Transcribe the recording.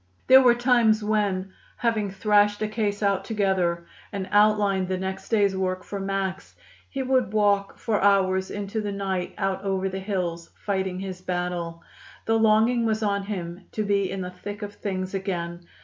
There were times when, having thrashed a case out together and outlined the next day's work for Max, he would walk for hours into the night out over the hills, fighting his battle. The longing was on him to be in the thick of things again.